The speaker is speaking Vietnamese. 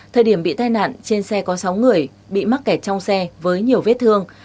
thời điểm bị tai nạn trên xe có sáu người bị mắc kẹt trong xe với nhiều vết thương